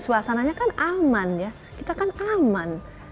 suasananya kan aman ya kita kan aman